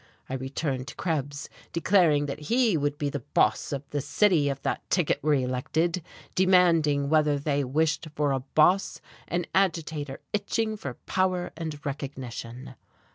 I returned to Krebs, declaring that he would be the boss of the city if that ticket were elected, demanding whether they wished for a boss an agitator itching for power and recognition....